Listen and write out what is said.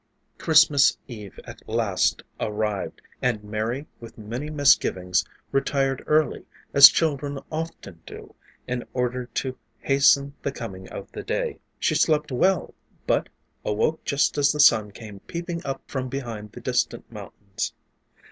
Christmas Eve at last arrived and Mary with many misgivings retired early, as children often do in order to hasten the coming of the day. She slept well, but awoke just as the sun came peeping up from behind the distant mountains.